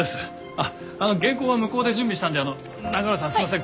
あっあの原稿は向こうで準備したんで永浦さんすいません